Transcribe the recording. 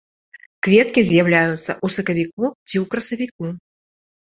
Кветкі з'яўляюцца ў сакавіку ці ў красавіку.